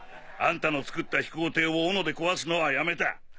あんたの作った飛行艇を斧で壊すのはやめた。